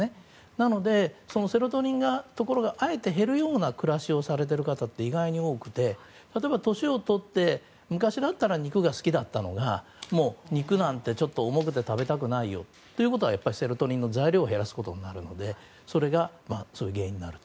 なので、セロトニンがあえて減るような暮らしをされている方って、意外と多くて例えば年を取って昔だった肉が好きだったのがもう肉なんてちょっと重くて食べたくないよということはやっぱりセロトニンの材料を減らすことになるのでそれが、そういう原因になると。